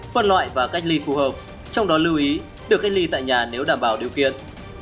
phân loại và cách ly phù hợp trong đó lưu ý được cách ly tại nhà nếu đảm bảo điều kiện